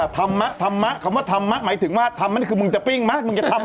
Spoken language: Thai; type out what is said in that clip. ทำมะทำมะคำว่าทำมะหมายถึงว่าทำมะนี่คือมึงจะปิ้งมะมึงจะทำมั้ย